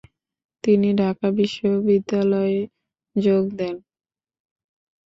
তিনি ঢাকা বিশ্ববিদ্যালয়ে যোগ দেন।